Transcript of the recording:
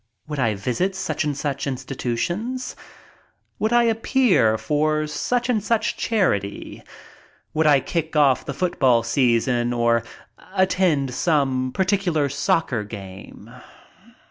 Would I visit such and such institutions ? Would I appear for such and such charity? Would I kick off the football season or attend some particular socker game?